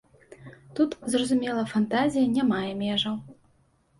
Тут, зразумела, фантазія не мае межаў.